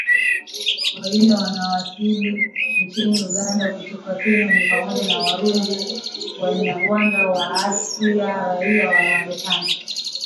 Wageni wanaowasili nchini Uganda kutoka Kenya ni pamoja na Warundi Wanyarwanda, waasia raia wa Marekani